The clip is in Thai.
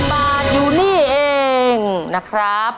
บาทอยู่นี่เองนะครับ